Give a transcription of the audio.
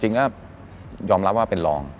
จริงก็ยอมรับว่าเป็นรอง